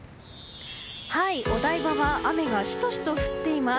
お台場は雨がシトシト降っています。